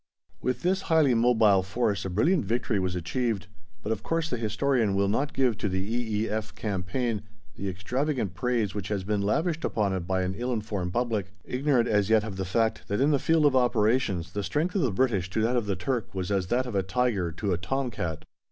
With this highly mobile force a brilliant victory was achieved, but of course the historian will not give to the E.E.F. campaign the extravagant praise which has been lavished upon it by an ill informed public, ignorant as yet of the fact that in the field of operations the strength of the British to that of the Turk was as that of a tiger to a tom cat.